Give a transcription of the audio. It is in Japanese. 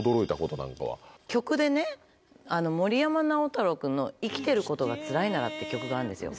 曲でね森山直太朗君の『生きてることが辛いなら』って曲があるんですよ。